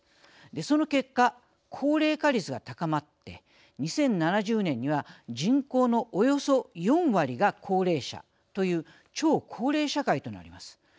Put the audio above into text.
その結果、高齢化率が高まって２０７０年には人口のおよそ４割が高齢者という超高齢社会となります。